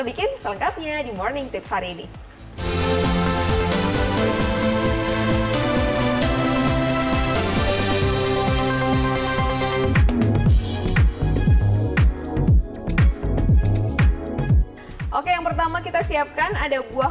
bikin selengkapnya di morning tips hari ini oke yang pertama kita siapkan ada buah